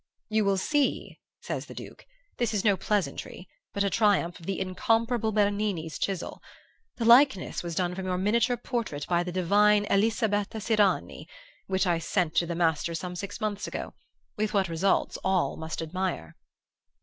"'You will see,' says the Duke, 'this is no pleasantry, but a triumph of the incomparable Bernini's chisel. The likeness was done from your miniature portrait by the divine Elisabetta Sirani, which I sent to the master some six months ago, with what results all must admire.